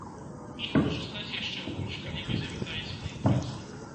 Іх можа стаць яшчэ больш, калі вы завітаеце на імпрэзу.